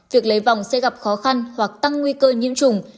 việc lấy vòng sẽ gặp khó khăn hoặc tăng nguy cơ nhiễm trùng